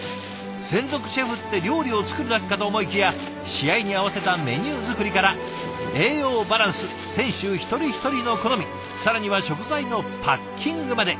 専属シェフって料理を作るだけかと思いきや試合に合わせたメニュー作りから栄養バランス選手一人一人の好み更には食材のパッキングまで。